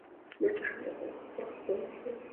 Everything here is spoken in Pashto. مړه ته د غم وخت دعا نه هېروې